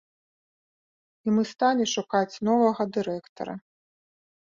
І мы сталі шукаць новага дырэктара.